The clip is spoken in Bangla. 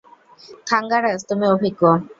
থাঙ্গারাজ, তুমি অভিজ্ঞ।